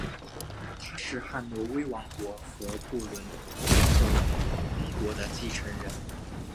他是汉诺威王国和不伦瑞克公国的继承人。